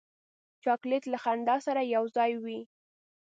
چاکلېټ له خندا سره یو ځای وي.